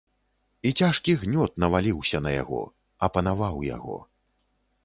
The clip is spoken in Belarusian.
І цяжкі гнёт наваліўся на яго, апанаваў яго.